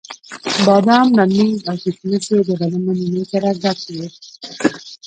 بادام، ممیز او کېشمش یې د غنمو نینو سره ګډ وو.